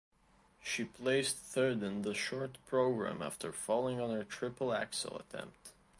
She placed third in the short program after falling on her triple Axel attempt.